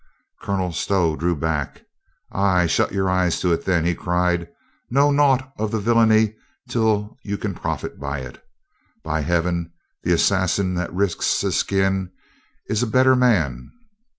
Colonel Stow drew back. "Ay, shut your eyes to it, then," he cried. "Know naught of the vil lainy till you can profit by it. By Heaven, the as sassin that risks his skin is a better man